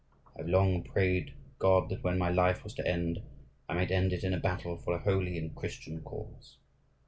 I have long prayed God that when my life was to end I might end it in battle for a holy and Christian cause.